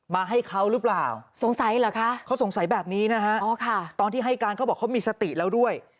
มาให้เขาหรือเปล่าสงสัยเหรอคะเขาสงสัยแบบนี้นะฮะตอนที่ให้การเขาบอกเขามีสติแล้วด้วย